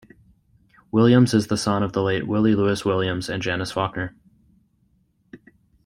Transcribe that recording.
Williams is the son of the late Willie Louis Williams and Janice Faulkner.